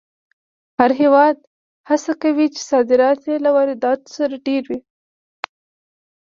هر هېواد هڅه کوي چې صادرات یې له وارداتو ډېر وي.